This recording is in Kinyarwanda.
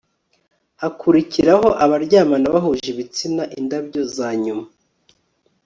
hakurikiraho abaryamana bahuje ibitsina indabyo zanyuma